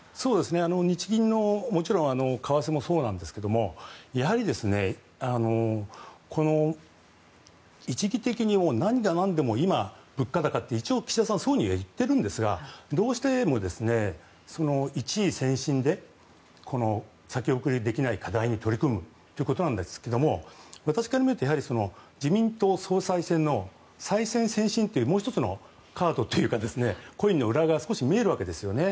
日銀の為替もそうですがやはり一義的に何が何でも物価高って一応、岸田さんそういうふうに言っているんですがどうしても一意専心でこの先送りできない課題に取り組むということですが私から見ると自民党総裁選の再選専心というもう１つのカードというかそういう裏側が見えるわけですよね。